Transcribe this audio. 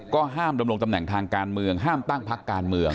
ห้ามดำรงตำแหน่งทางการเมืองห้ามตั้งพักการเมือง